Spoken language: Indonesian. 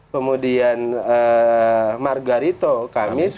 kemudian margarito kamis